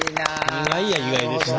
意外や意外でした。